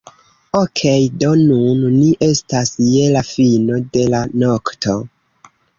Okej do nun ni estas je la fino de la nokto